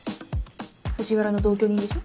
藤原の同居人でしょ？